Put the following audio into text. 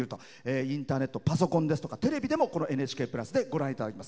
インターネット、パソコンテレビでも「ＮＨＫプラス」をご覧いただけます。